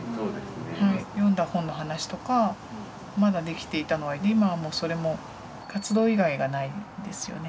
読んだ本の話とかまだできていたのが今はそれも活動以外がないですよね。